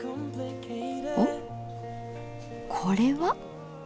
おっこれは。